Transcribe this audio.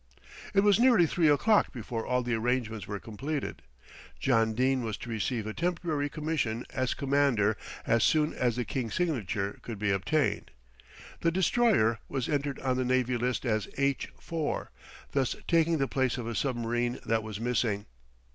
It was nearly three o'clock before all the arrangements were completed. John Dene was to receive a temporary commission as commander as soon as the King's signature could be obtained. The Destroyer was entered on the Navy List as H4, thus taking the place of a submarine that was "missing."